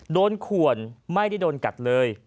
ขวนไม่ได้โดนกัดเลย